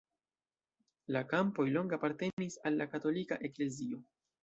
La kampoj longe apartenis al la katolika eklezio.